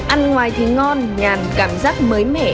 ăn ngoài thì ngon nhàn cảm giác mới mẻ